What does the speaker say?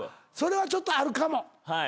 それはちょっとあるかも。